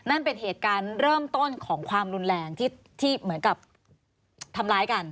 นั่นเป็นเหตุการณ์เริ่มต้นของความรุนแรงที่เหมือนกับทำร้ายกัน